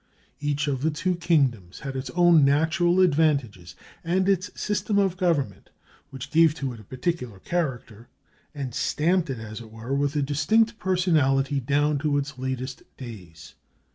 Each of the two kingdoms had its own natural advantages and its system of government, which gave to it a peculiar character, and stamped it, as it were, with a distinct personality down to its latest days.